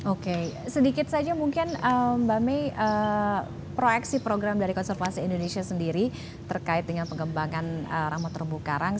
oke sedikit saja mungkin mbak may proyeksi program dari konservasi indonesia sendiri terkait dengan pengembangan ramad terumbu karang